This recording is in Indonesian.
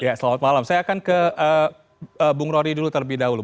ya selamat malam saya akan ke bung rory dulu terlebih dahulu